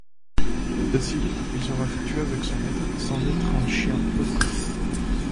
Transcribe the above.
Docile, il sera affectueux avec son maître, sans être un chien “pot de colle”.